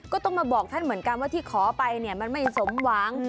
ก็ต้องมาบอกท่านเหมือนกันว่าที่ขอไปเนี่ยมันไม่สมหวัง